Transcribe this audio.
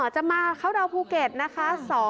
จะมาเข้าดาวนภูเก็ตนะคะ